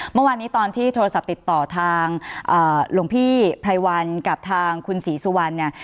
เมื่อวานนี้ตอนที่โทรศัพท์ติดต่อทางหลวงพี่ไพรวันกับทางคุณศรีสุวรรณเนี่ย